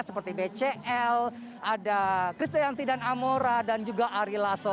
seperti bcl ada christianti dan amora dan juga ari lasso